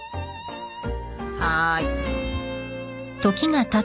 はい。